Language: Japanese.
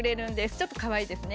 ちょっとかわいいですね。